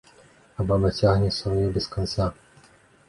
А баба цягне сваё без канца.